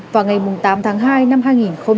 vào ngày tám tháng hai năm hai nghìn hai mươi